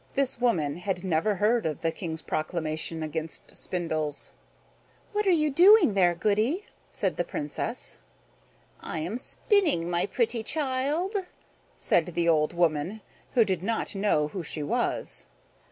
This good woman had never heard of the King's proclamation against spindles. "What are you doing there, goody?" said the Princess. "I am spinning, my pretty child," said the old woman, who did not know who she was.